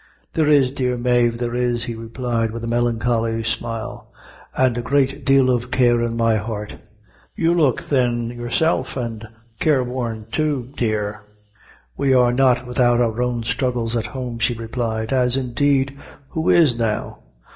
"There is, dear Mave; there is," he replied, with a melancholy smile, "an' a great deal of care in my heart. You look thin yourself, and careworn too, dear." "We are not without our own struggles at home," she replied, "as, indeed, who is now?